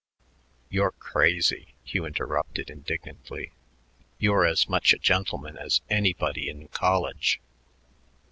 "You're crazy," Hugh interrupted indignantly. "You're as much a gentleman as anybody in college."